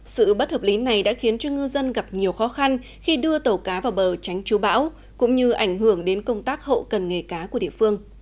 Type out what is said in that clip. sự bất hợp lý này đã khiến cho ngư dân gặp nhiều khó khăn khi đưa tàu cá vào bờ tránh chú bão cũng như ảnh hưởng đến công tác hậu cần nghề cá của địa phương